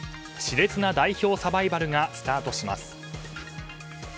熾烈な代表サバイバルがスタートします。